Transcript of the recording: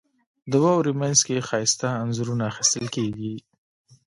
• د واورې مینځ کې ښایسته انځورونه اخیستل کېږي.